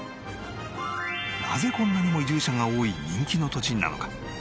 なぜこんなにも移住者が多い人気の土地なのか？